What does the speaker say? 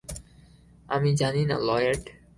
আমি জানি না, লয়েড।